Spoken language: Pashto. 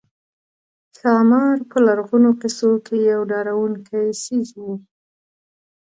ښامار په لرغونو قصو کې یو ډارونکی څېز وو